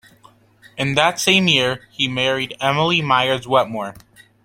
In that same year, he married Emily Myers Wetmore.